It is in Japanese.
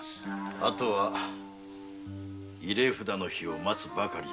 あとは入れ札の日を待つばかりじゃの。